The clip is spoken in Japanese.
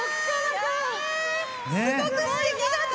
すごくすてきだった。